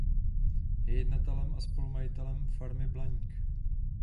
Je jednatelem a spolumajitelem Farmy Blaník.